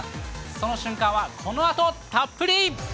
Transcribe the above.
その瞬間はこのあとたっぷり。